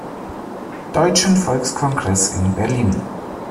Deutschen Volkskongress in Berlin.